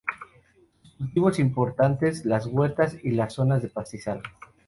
Son cultivos importantes las huertas y las zonas de pastizal.